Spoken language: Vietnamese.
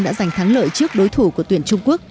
đã giành thắng lợi trước đối thủ của tuyển trung quốc